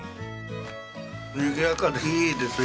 にぎやかでいいですよ。